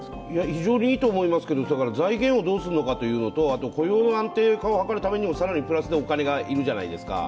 非常にいいと思いますけど財源をどうするかというのと雇用の安定化を図るためにも更にプラスのお金がいるじゃないですか。